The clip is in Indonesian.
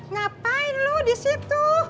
ngapain lo disitu